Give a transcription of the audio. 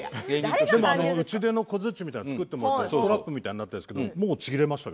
打ち出の小づちを作ってもらってストラップみたいになっているんですけどもうちぎれましたよ。